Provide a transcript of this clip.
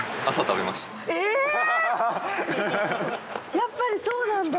やっぱりそうなんだ。